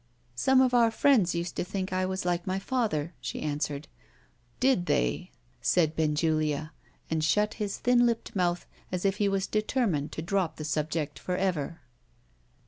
"Some of our friends used to think I was like my father," she answered. "Did they?" said Benjulia and shut his thin lipped mouth as if he was determined to drop the subject for ever.